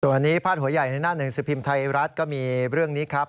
วันนี้พาดหัวใหญ่ในหน้าหนึ่งสิบพิมพ์ไทยรัฐก็มีเรื่องนี้ครับ